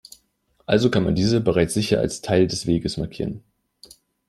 Also kann man diese bereits sicher als Teil des Weges markieren.